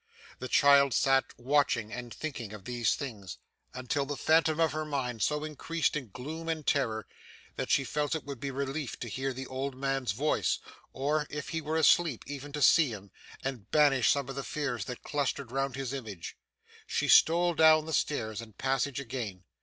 The child sat watching and thinking of these things, until the phantom in her mind so increased in gloom and terror, that she felt it would be a relief to hear the old man's voice, or, if he were asleep, even to see him, and banish some of the fears that clustered round his image. She stole down the stairs and passage again.